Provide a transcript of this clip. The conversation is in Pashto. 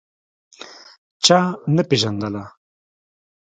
چا نه پېژندله.